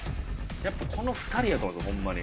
やっぱこの２人やと思うんですよホンマに。